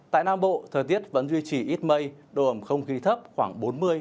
tại nam bộ thời tiết vẫn duy trì ít mây độ ẩm không khí thấp khoảng bốn mươi năm mươi